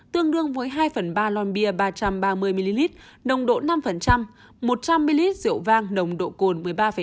tương đương với hai phần ba lon bia ba trăm ba mươi ml nồng độ năm một trăm linh ml rượu vang nồng độ cồn một mươi ba năm